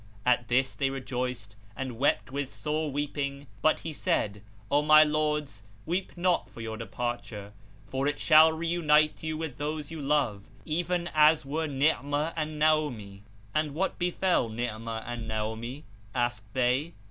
At this they rejoiced and wept with sore weeping but he said, "O my lords, weep not for your departure, for it shall reunite you with those you love, even as were Ni'amah and Naomi." "And what befel Ni'amah and Naomi?" asked they.